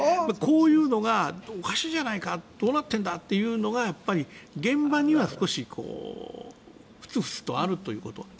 こういうのがおかしいじゃないかどうなってるんだというのが現場には少しふつふつとあるということ。